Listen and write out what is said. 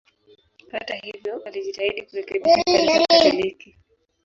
Hata hivyo, alijitahidi kurekebisha Kanisa Katoliki.